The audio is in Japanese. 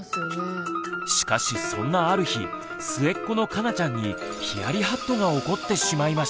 しかしそんなある日末っ子のかなちゃんにヒヤリハットが起こってしまいました。